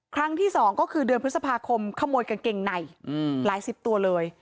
ครั้งที่๒ก็คือเดือนพฤษภาคมขโมยกางเกงในหลายสิบตัวเลย